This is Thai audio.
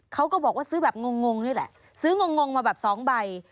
เขาก็บอกว่าซื้อแบบงงนี่แหละซื้องงมาแบบสองใบ